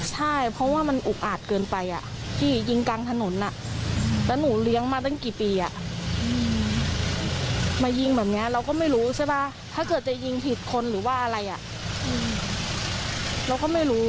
ถ้าผิดคนจริงเราก็ขอให้มามอบตัวเราตัวอีกจัง